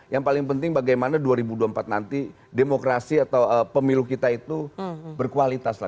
yang paling penting bagaimana dua ribu dua puluh empat nanti demokrasi atau pemilu kita itu berkualitas lah